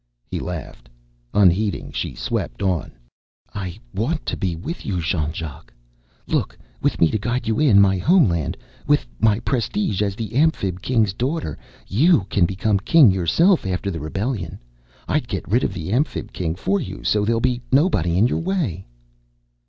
He laughed. Unheeding, she swept on. "I want to be with you, Jean Jacques! Look, with me to guide you in, my homeland with my prestige as the Amphib King's daughter you can become King yourself after the rebellion. I'd get rid of the Amphib King for you so there'll be nobody in your way!"